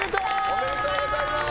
おめでとうございます！